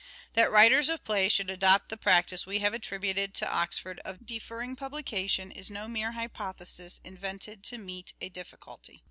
That writers of plays should adopt the practice we have attributed to Oxford of deferring publication is no mere hypothesis invented to meet a difficulty.